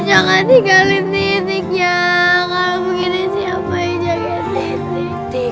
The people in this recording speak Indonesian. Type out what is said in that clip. jangan tinggalin titiknya kalau begini siapa yang jaga titik